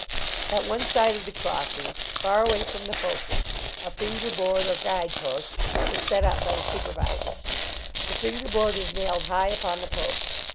At one side of the crossing, far away from the focus, a finger board, or guide post, is set up by the supervisors. The finger board is nailed high upon the post.